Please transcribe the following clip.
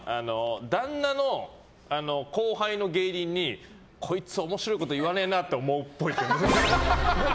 旦那の後輩の芸人にこいつ面白いこと言わねえなって思うっぽい。